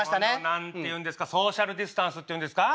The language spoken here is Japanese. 何て言うんですかソーシャルディスタンスって言うんですか？